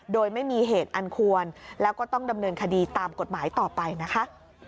โดยไม่มีเหตุอันควรแล้วก็ต้องดำเนินคดีตามกฎหมายต่อไปนะคะ